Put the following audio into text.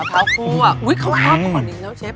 อุ้ยเขาให้ออกก่อนอีกละเชฟ